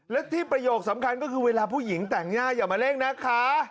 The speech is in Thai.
และที่ประโยคสำคัญก็คือเวลาผู้หญิงแต่งหน้าอย่ามาเร่งนะคะ